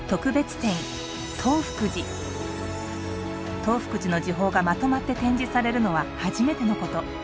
東福寺の寺宝がまとまって展示されるのは初めてのこと。